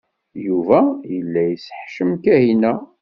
Yuba yella yesseḥcem Kahina.